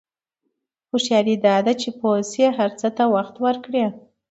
هوښیاري دا ده چې پوه شې هر څه ته وخت ورکړې.